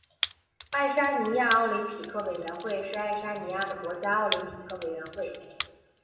爱沙尼亚奥林匹克委员会是爱沙尼亚的国家奥林匹克委员会。